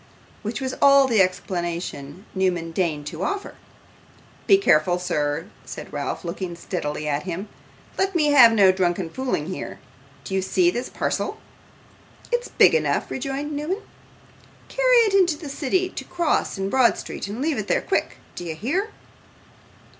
which was all the explanation Newman deigned to offer. 'Be careful, sir,' said Ralph, looking steadily at him. 'Let me have no drunken fooling here. Do you see this parcel?' 'It's big enough,' rejoined Newman. 'Carry it into the city; to Cross, in Broad Street, and leave it there quick. Do you hear?